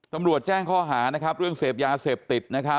ตำรวจแจ้งข้อหาเรื่องเสพยาเสพติด